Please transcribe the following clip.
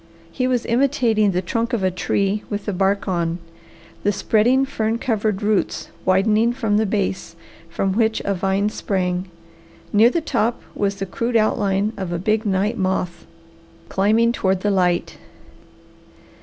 He was imitating the trunk of a tree with the bark on, the spreading, fern covered roots widening for the base, from which a vine sprang. Near the top was the crude outline of a big night moth climbing toward the light.